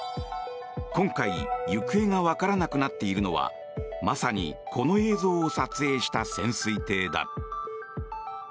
今回行方がわからなくなっているのはまさにこの映像を撮影した潜水艇だ。